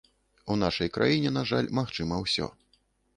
У нашай краіне, на жаль, магчыма ўсё.